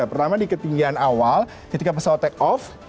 pertama di ketinggian awal ketika pesawat take off